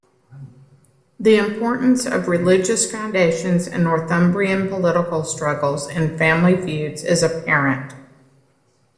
The importance of religious foundations in Northumbrian political struggles and family feuds is apparent.